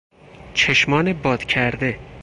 چشمان باد کرده